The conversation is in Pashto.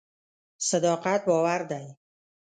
صداقت باور دی.